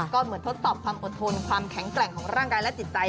ก็เหมือนทดสอบความอดทนความแข็งแกร่งของร่างกายและจิตใจ